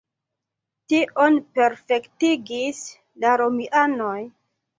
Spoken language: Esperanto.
Tion perfektigis la romianoj.